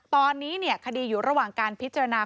ตอนนี้คดีอยู่ระหว่างการพิจารณา